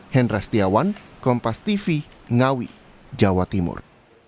hendra setiawan kompas tv ngawi jawa timur